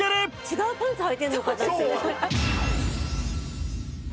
違うパンツはいてるのかと。